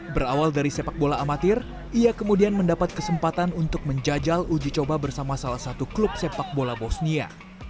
berawal dari sepak bola amatir ia kemudian mendapat kesempatan untuk menjajal uji coba bersama salah satu klub sepak bola bosnia